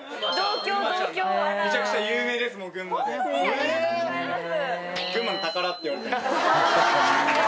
ありがとうございます。